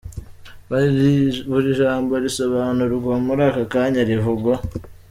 Buri jambo risobanurwa muri ako kanya rivugwa.